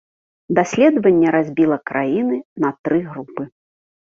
Даследаванне разбіла краіны на тры групы.